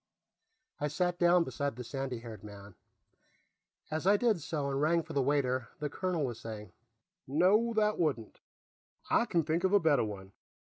I sat down beside the sandy haired man; as I did so and rang for the waiter, the colonel was saying: "No, that wouldn't. I can think of a better one.